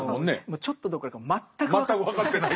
ちょっとどころか全く分かってない。